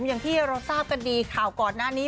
อย่างที่เราทราบกันดีข่าวก่อนหน้านี้